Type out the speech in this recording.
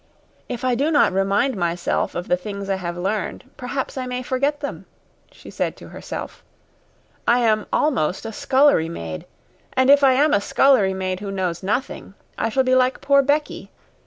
"If I do not remind myself of the things I have learned, perhaps I may forget them," she said to herself. "I am almost a scullery maid, and if I am a scullery maid who knows nothing, I shall be like poor Becky.